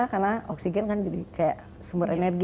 karena oksigen kan jadi kayak sumber energi